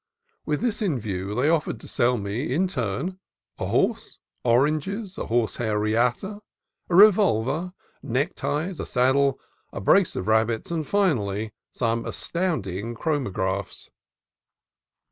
With this in view, they offered to sell me, in turn, a horse, oranges, a horsehair riata, a revolver, neckties, a saddle, a brace of rabbits, and, finally, some as tounding chromographs.